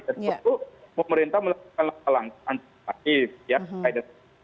dan sebetulnya pemerintah melakukan langkah langkah yang positif